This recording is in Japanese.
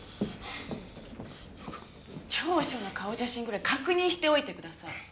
調書の顔写真ぐらい確認しておいてください。